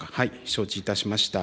承知いたしました。